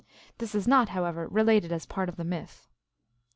This is not, however, related as part of the myth.